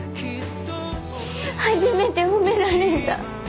初めて褒められた。